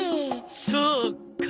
そうかな。